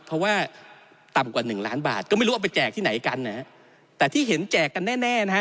เพราะว่าต่ำกว่าหนึ่งล้านบาทก็ไม่รู้เอาไปแจกที่ไหนกันนะฮะแต่ที่เห็นแจกกันแน่แน่นะฮะ